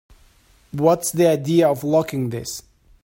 What's the idea of locking this?